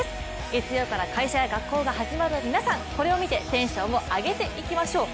月曜から会社や学校が始まる皆さん、これを見てテンションを上げていきましょう。